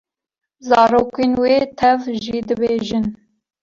Zarokên wê tev jî dibêjin.